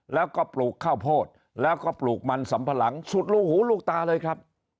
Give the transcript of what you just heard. แล้วก็ปลูกข้าวโพดแล้วก็ปลูกมันสำปะหลังสุดลูกหูลูกตาเลยครับ